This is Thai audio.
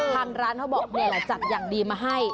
ทางร้านเขาบอกแหม่จัดอย่างดีมาให้